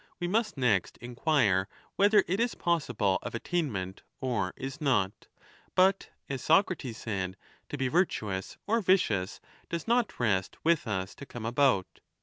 . .we must next inquire whether it is possible of attainment or is not, but, as Socrates ^ said, to be virtuous or vicious does not rest with us to come about.